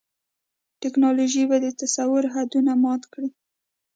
ټیکنالوژي به د تصور حدونه مات کړي.